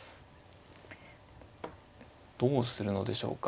どうするのでしょうか。